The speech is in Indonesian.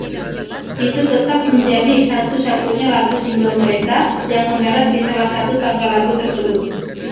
Itu tetap menjadi satu-satunya lagu singel mereka yang mendarat di salah satu tangga lagu tersebut.